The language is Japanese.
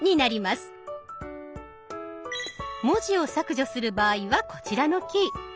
文字を削除する場合はこちらのキー。